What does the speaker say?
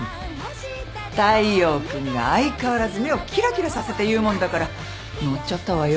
大陽君が相変わらず目をキラキラさせて言うもんだから乗っちゃったわよ。